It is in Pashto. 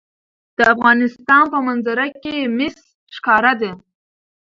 د افغانستان په منظره کې مس ښکاره ده.